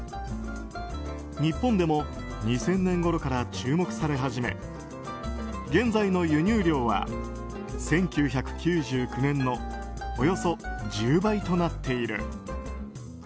日本でも２０００年ごろから注目され始め現在の輸入量は１９９９年のおよそ１０倍となっている。